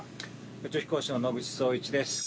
宇宙飛行士の野口聡一です。